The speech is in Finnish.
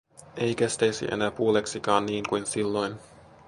Ei kestäisi enää puoleksikaan niinkuin silloin.